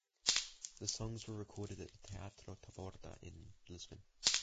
The songs were recorded at the Teatro Taborda in Lisbon.